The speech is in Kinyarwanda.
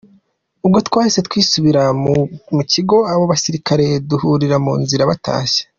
Ubwo twahise twisubirira mu kigo, abo basirikare duhurira mu nzira batashye.